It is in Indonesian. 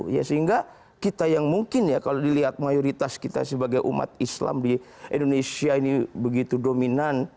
ya sehingga kita yang mungkin ya kalau dilihat mayoritas kita sebagai umat islam di indonesia ini begitu dominan